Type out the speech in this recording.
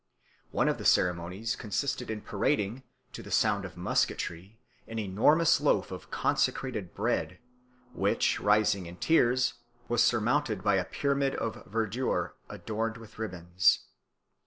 One of the ceremonies consisted in parading, to the sound of musketry, an enormous loaf of consecrated bread, which, rising in tiers, was surmounted by a pyramid of verdure adorned with ribbons.